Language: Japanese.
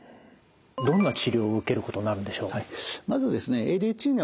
どんな治療を受けることになるんでしょう？